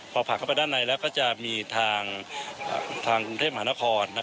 พอผ่านเข้าไปด้านในแล้วก็จะมีทางกรุงเทพมหานคร